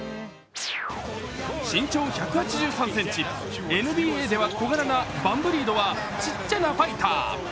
身長１８３ｃｍ、ＮＢＡでは小柄なバンブリードはちっちゃなファイター。